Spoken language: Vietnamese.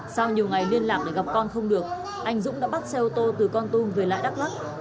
sau nhiều ngày liên lạc để gặp con không được anh dũng đã bắt xe ô tô từ con tum về lại đắk lắc